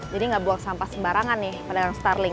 jadi nggak buang sampah sembarangan nih pada gang starling